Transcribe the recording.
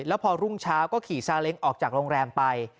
แล้วพอรุ่งเช้าก็ขี่ซาเล้งออกจากโรงแรมไป